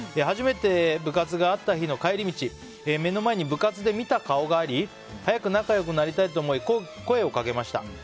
初めて部活があった日の帰り道目の前に部活で見た顔があり早く仲良くなりたいと思い声をかけました。